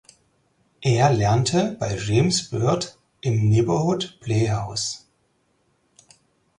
Er lernte bei James Beard im Neighbourhood Playhouse.